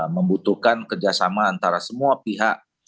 membutuhkan kerjasama antara semua pihak